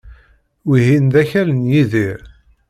Wihin d akal n Yidir.